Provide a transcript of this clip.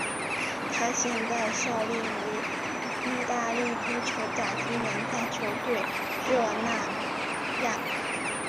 他现在效力于意大利足球甲级联赛球队热那亚。